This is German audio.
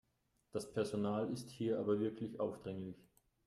Das Personal ist hier aber wirklich aufdringlich.